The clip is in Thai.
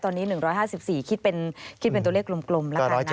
ตอนนี้๑๕๔คิดเป็นตัวเลขกลมแล้วกันนะ